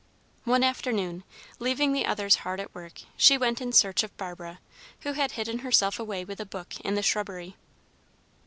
One afternoon, leaving the others hard at work, she went in search of Barbara, who had hidden herself away with a book, in the shrubbery.